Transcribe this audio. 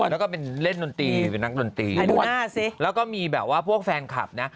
แล้วก็เป็นเล่นดนตรีเป็นนักดนตรีแล้วก็มีแบบว่าพวกแฟนคลับนะ